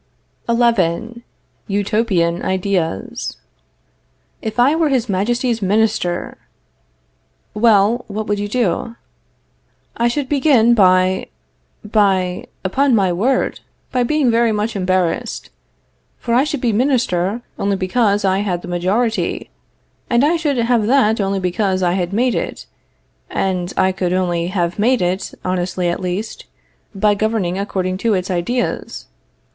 XI. UTOPIAN IDEAS. If I were His Majesty's Minister! Well, what would you do? I should begin by by upon my word, by being very much embarrassed. For I should be Minister only because I had the majority, and I should have that only because I had made it, and I could only have made it, honestly at least, by governing according to its ideas.